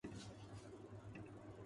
یہ داستان کہاں پہنچتی ہے۔